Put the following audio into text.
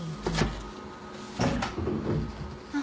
・あっ。